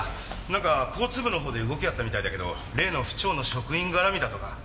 なんか交通部の方で動きがあったみたいだけど例の府庁の職員絡みだとか？